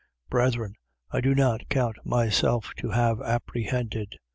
3:13. Brethren, I do not count myself to have apprehended.